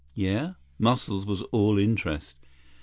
"Yeah?" Muscles was all interest.